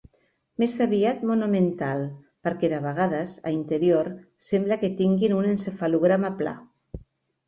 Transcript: Més aviat mono-mental, perquè de vegades a Interior sembla que tinguin un encefalograma pla.